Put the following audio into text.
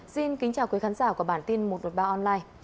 xin kính chào quý khán giả của bản tin một trăm một mươi ba online